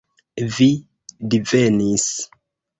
Vi divenis.